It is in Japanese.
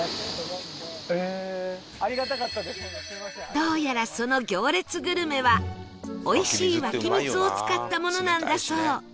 どうやらその行列グルメはおいしい湧き水を使ったものなんだそう